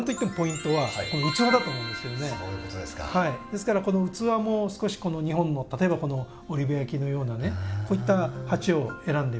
ですから器も少し日本の例えばこの織部焼のようなねこういった鉢を選んでみたり。